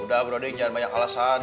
udah browding jangan banyak alasan